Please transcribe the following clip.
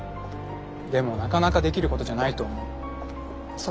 でもなかなかできることじゃないと思う。